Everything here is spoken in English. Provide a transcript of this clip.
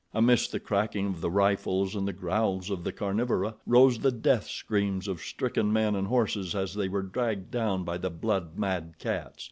Amidst the cracking of the rifles and the growls of the carnivora rose the death screams of stricken men and horses as they were dragged down by the blood mad cats.